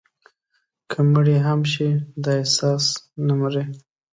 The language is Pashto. که مړي هم شي، دا احساس نه مري»